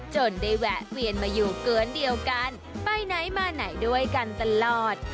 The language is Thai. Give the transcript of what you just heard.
ได้แวะเวียนมาอยู่กวนเดียวกันไปไหนมาไหนด้วยกันตลอด